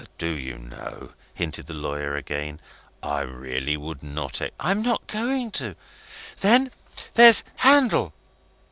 "Do you know," hinted the lawyer again, "I really would not ex " "I am not going to. Then there's Handel."